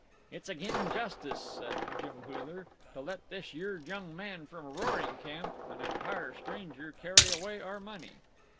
"It's agin justice," said Jim Wheeler, "to let this yer young man from Roaring Camp an entire stranger carry away our money."